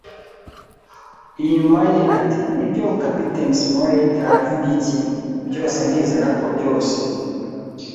inyuma ye. Ati: “Nibyo, Kapiteni Smollett, uravuga iki? Byose, ndizera ko; byose